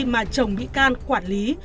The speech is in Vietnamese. mà chồng bị can quản lý